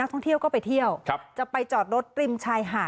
คุณมันเจินไปจริงน่ะ